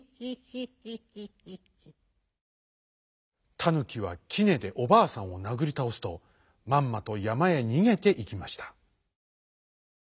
タヌキはきねでおばあさんをなぐりたおすとまんまとやまへにげていきました。